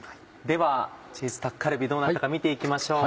ではチーズタッカルビどうなったか見て行きましょう。